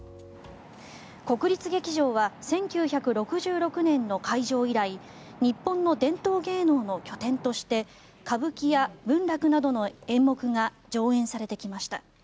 国立劇場は１９６６年の開場以来日本の伝統芸能の拠点として歌舞伎や文楽などの演目が上演されてきました。